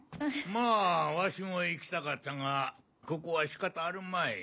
まぁワシも行きたかったがここは仕方あるまい。